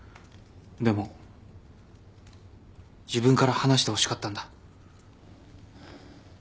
でも自分から話してほしかったんだ。